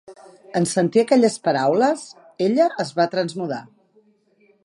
En sentir aquelles paraules, ella es va trasmudar.